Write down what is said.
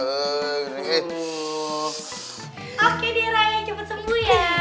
oke deh raya cepet sembuh ya